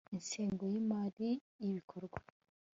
INGENGO Y IMARI Y IBIKORWA